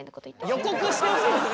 予告してほしいんすね。